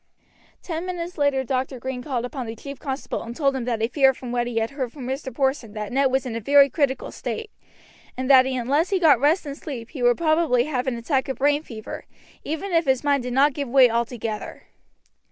Ten minutes later Dr. Green called upon the chief constable and told him that he feared from what he had heard from Mr. Porson that Ned was in a very critical state, and that unless he got rest and sleep he would probably have an attack of brain fever, even if his mind did not give way altogether.